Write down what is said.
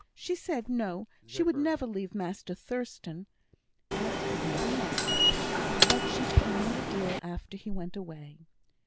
She said, 'No, she would never leave Master Thurstan, as could never marry;' but she pined a deal at after he went away.